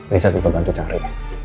lisa juga bantu cari